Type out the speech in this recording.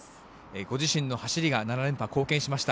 ご自身の走りが７連覇に貢献しました。